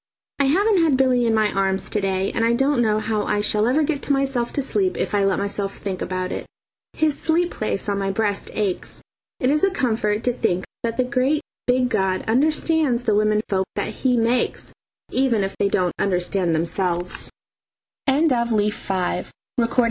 I haven't had Billy in my arms to day, and I don't know how I shall ever get myself to sleep if I let myself think about it. His sleep place on my breast aches. It is a comfort to think that the great big God understands the women folk that He makes, even if they don't understand themselves. Leaf VI. Conflagration.